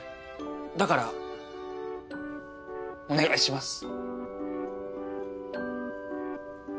だからお願いします。